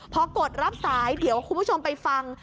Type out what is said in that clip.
พอกดรับสายเดี๋ยวคุณผู้ชมไปฟัง